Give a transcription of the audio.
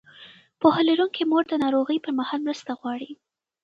پوهه لرونکې مور د ناروغۍ پر مهال مرسته غواړي.